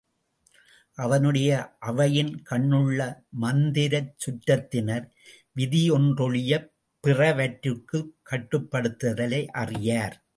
அவனுடைய அவையின் கண்ணுள்ள மந்திரச் சுற்றத்தினர் விதியொன்றொழியப் பிறவற்றிற்குக் கட்டுப்படுதலை அறியார்.